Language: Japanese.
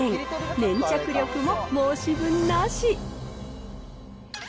粘着力も申し分なし。